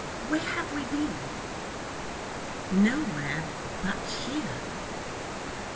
Where have we been?' 'Nowhere but here.